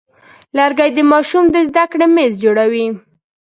لرګی د ماشوم د زده کړې میز جوړوي.